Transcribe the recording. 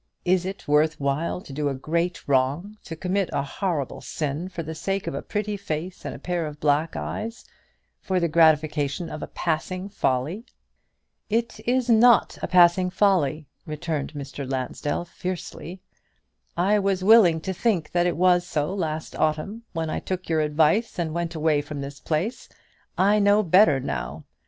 Is it worth while to do a great wrong, to commit a terrible sin, for the sake of a pretty face and a pair of black eyes for the gratification of a passing folly?" "It is not a passing folly," returned Mr. Lansdell, fiercely. "I was willing to think that it was so last autumn, when I took your advice and went away from this place. I know better now.